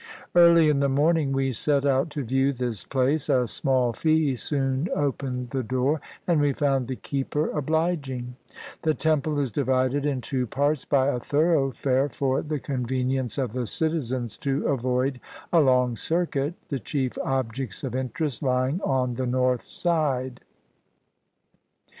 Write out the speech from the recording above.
Early in the morning we set out to view this place; a small fee soon opened the door, and we found the keeper obliging. The temple is divided in two parts by a thoroughfare for the convenience of the citizens to 19 CHINA avoid a long circuit, the chief objects of interest lying on the north side.